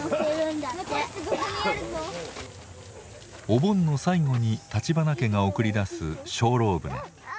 お盆の最後に立花家が送り出す「精霊船」。